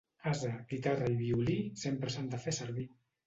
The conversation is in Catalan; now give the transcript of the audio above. Ase, guitarra i violí, sempre s'han de fer servir.